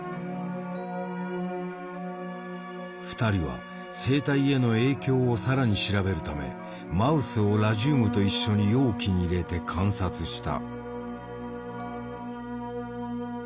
２人は生体への影響を更に調べるためマウスをラジウムと一緒に容器に入れて観察した。